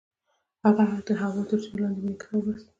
هغې د هوا تر سیوري لاندې د مینې کتاب ولوست.